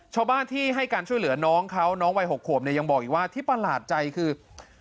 ชาวบ้านที่ให้การช่วยเหลือน้องเขาน้องวัย๖ขวบเนี่ยยังบอกอีกว่าที่ประหลาดใจคือ